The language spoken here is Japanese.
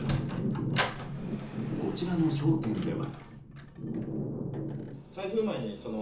こちらの商店では。